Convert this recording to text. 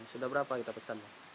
sudah berapa kita pesan